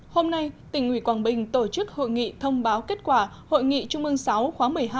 hôm nay tỉnh ủy quảng bình tổ chức hội nghị thông báo kết quả hội nghị trung ương sáu khóa một mươi hai